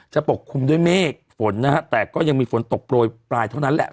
ปกคลุมด้วยเมฆฝนนะฮะแต่ก็ยังมีฝนตกโปรยปลายเท่านั้นแหละ